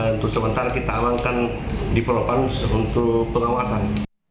untuk sementara kita amankan di propam untuk pengawasan